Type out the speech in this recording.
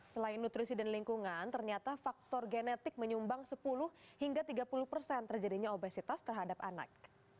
selain nutrisi dan lingkungan ternyata faktor genetik menyumbang sepuluh hingga tiga puluh persen terjadinya obesitas terhadap anak